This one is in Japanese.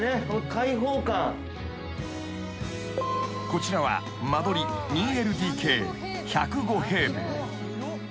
［こちらは間取り２ＬＤＫ１０５平米］